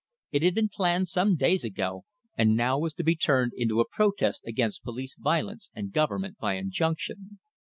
It had been planned some days ago, and now was to be turned into a protest against police violence and "government by injunction."